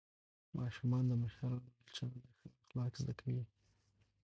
ماشومان د مشرانو له چلنده ښه اخلاق زده کوي